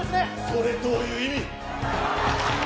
それどういう意味？